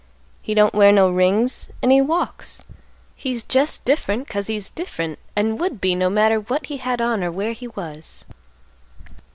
He don't wear no rings, and he walks. He's jest different 'cause he's different; and would be, no matter what he had on or where he was."